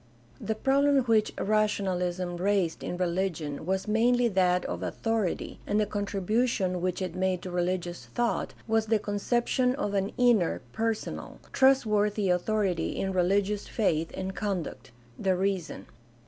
— The problem which rationahsm raised in religion was mainly that of authority, and the contribution which it made to religious thought was the conception of an inner, personal, trust worthy authority in religious faith and conduct — the reason.